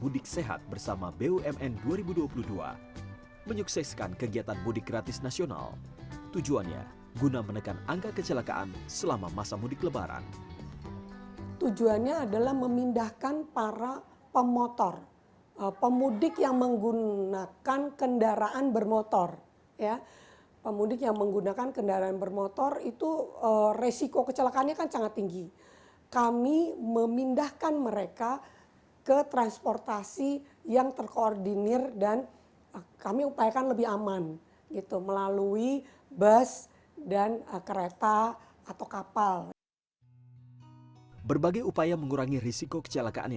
diantaranya mampu melaksanakan dua ratus tiga puluh satu program kegiatan pengembangan stm